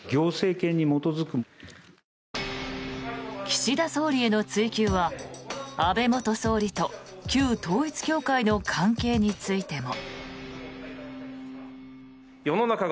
岸田総理への追及は安倍元総理と旧統一教会の関係についても。